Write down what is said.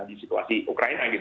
di situasi ukraina